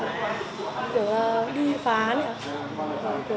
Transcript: kiểu là đi phá đấy